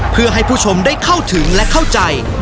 เพื่อให้ผู้ชมได้เข้าถึงและเข้าใจ